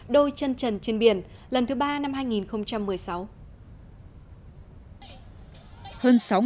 đôi chân trần trên biển lần thứ ba năm hai nghìn một mươi sáu